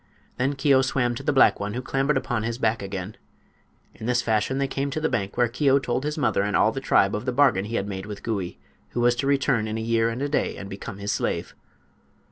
Then Keo swam to the black one, who clambered upon his back again. In this fashion they came to the bank, where Keo told his mother and all the tribe of the bargain he had made with Gouie, who was to return in a year and a day and become his slave.